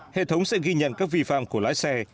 hệ thống sẽ ghi nhận các vi phạm của lái xe